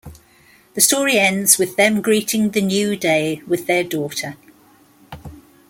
The story ends with them greeting the new day with their daughter.